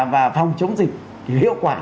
và phòng chống dịch